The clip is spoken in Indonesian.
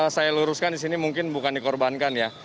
saya luruskan di sini mungkin bukan dikorbankan ya